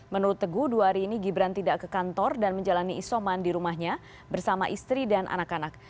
menurut teguh dua hari ini gibran tidak ke kantor dan menjalani isoman di rumahnya bersama istri dan anak anak